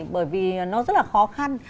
bởi vì nó rất là khó khăn